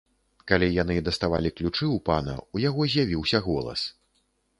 Калі яны даставалі ключы ў пана, у яго з'явіўся голас.